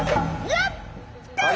やった！